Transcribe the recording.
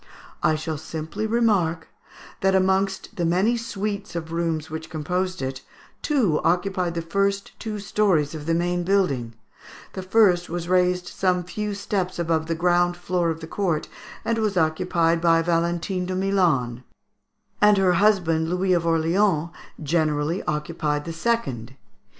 "I shall simply remark, that amongst the many suites of rooms which composed it, two occupied the two first stories of the main building; the first was raised some few steps above the ground floor of the court, and was occupied by Valentine de Milan; and her husband, Louis of Orleans, generally occupied the second.